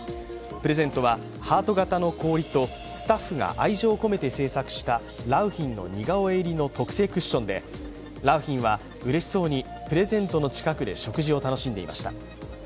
プレゼントはハート形の氷とスタッフが愛情込めて製作した良浜の似顔絵入りの特製クッションで良浜はうれしそうにプレゼントの近くで食事を楽しんでいました。